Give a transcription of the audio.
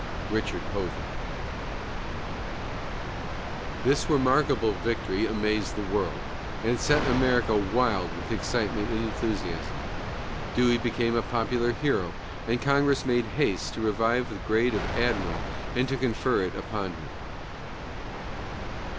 RICHARD HOVEY. This remarkable victory amazed the world, and set America wild with excitement and enthusiasm. Dewey became a popular hero, and Congress made haste to revive the grade of admiral and to confer it upon him.